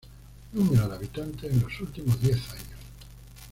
Número de habitantes en los últimos diez años.